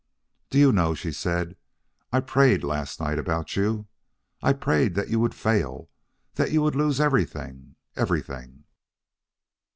"Do you know," she said, "I prayed last night about you. I prayed that you would fail, that you would lose everything everything."